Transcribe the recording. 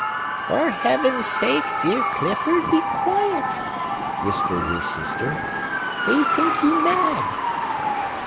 "For Heaven's sake, dear Clifford, be quiet!" whispered his sister. "They think you mad."